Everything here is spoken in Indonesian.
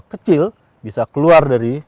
kecil bisa keluar dari